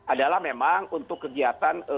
adalah memang untuk kegiatan